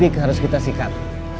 tik tik harus kita sikat